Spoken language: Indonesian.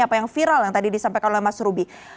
apa yang viral yang tadi disampaikan oleh mas ruby